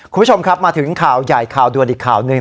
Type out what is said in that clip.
คุณผู้ชมครับมาถึงข่าวใหญ่ข่าวด่วนอีกข่าวหนึ่ง